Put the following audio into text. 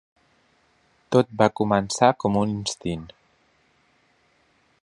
Tot va començar com un instint.